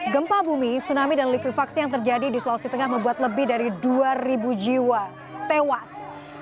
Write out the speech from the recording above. gempa bumi tsunami dan likuifaksi yang terjadi di sulawesi tengah membuat lebih dari dua jiwa tewas